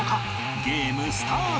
ゲームスタート！